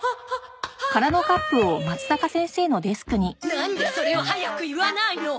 なんでそれを早く言わないの！？